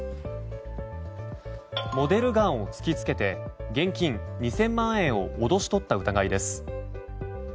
モデルガンを突き付けて現金２０００万円を脅し取った疑いです。